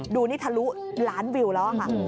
ดูนี่ทะลุล้านวิวแล้วค่ะ